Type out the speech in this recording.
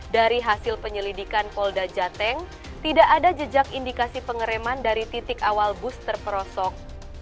dari hasil penyelidikan polda jateng tidak ada jejak indikasi pengereman dari titik awal bus terperosok